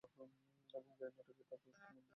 এবং "জায়ান্ট" নাটকে তার পুরুষ মূল ভূমিকাইয়।